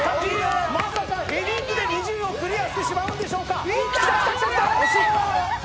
まさかヘディングで２０をクリアしてしまうんでしょうか？